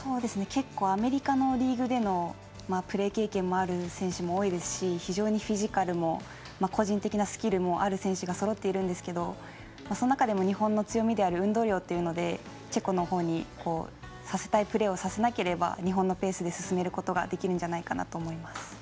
結構アメリカのリーグでのプレー経験もあるチームも多いですし非常にフィジカルも個人的なスキルもある選手がそろっているんですけどその中でも日本の強みでもある運動量というものでチェコのほうにさせたいプレーをさせなければ日本のペースで進めることができるんじゃないかなと思います。